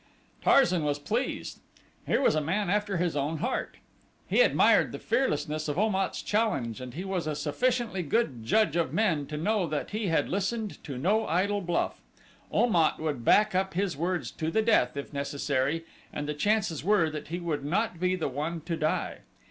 Tarzan was pleased. Here was a man after his own heart. He admired the fearlessness of Om at's challenge and he was a sufficiently good judge of men to know that he had listened to no idle bluff Om at would back up his words to the death, if necessary, and the chances were that he would not be the one to die.